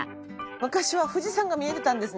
昔は富士山が見えてたんですね。